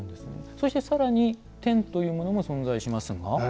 そして、さらに天というものも存在しますが。